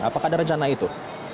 apakah ada rencana itu